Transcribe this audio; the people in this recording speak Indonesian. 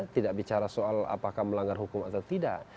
tidak bicara soal apakah melanggar hukum atau tidak